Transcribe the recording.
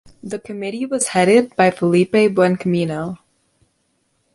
The committee was headed by Felipe Buencamino.